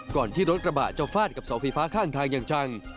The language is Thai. ก่อนที่รถกระบะจะฟาดกับเสาไฟฟ้าข้างทางอย่างจัง